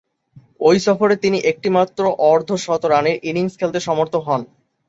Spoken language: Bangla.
ঐ সফরে তিনি একটিমাত্র অর্ধ-শতরানের ইনিংস খেলতে সমর্থ হন।